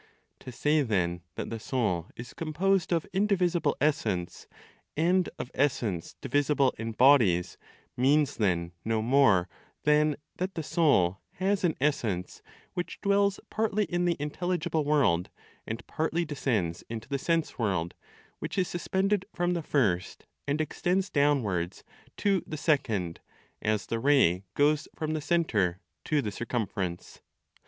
To say then that the soul is composed of indivisible (essence) and of (essence) divisible in bodies means then no more than that the soul has an (essence) which dwells partly in the intelligible world, and partly descends into the sense world, which is suspended from the first and extends downwards to the second, as the ray goes from the centre to the circumference.